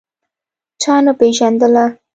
چا نه پېژندله.